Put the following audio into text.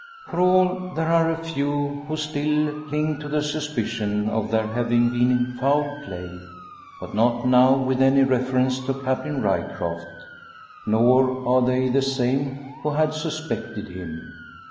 For all, there are a few who still cling to a suspicion of there having been foul play; but not now with any reference to Captain Ryecroft. Nor are they the same who had suspected him.